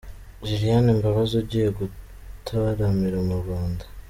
Lilian Mbabazi ugiye gutaramira mu Rwanda.